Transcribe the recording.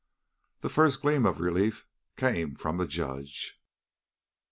The first gleam of relief came from the Judge.